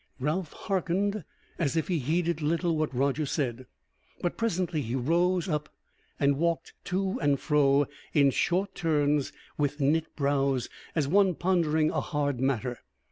Ralph hearkened as if he heeded little what Roger said; but presently he rose up and walked to and fro in short turns with knit brows as one pondering a hard matter.